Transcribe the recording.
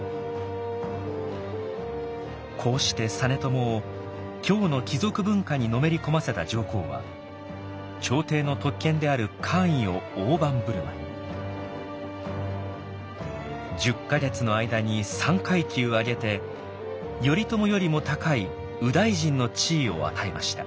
こうして実朝を京の貴族文化にのめり込ませた上皇は朝廷の特権である１０か月の間に３階級上げて頼朝よりも高い右大臣の地位を与えました。